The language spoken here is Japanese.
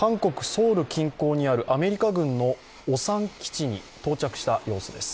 ソウル近郊にあるアメリカ軍のオサン基地に到着した様子です。